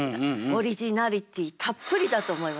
オリジナリティたっぷりだと思いません？